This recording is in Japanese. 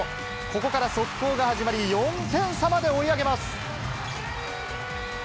ここから速攻が始まり、４点差まで追い上げます。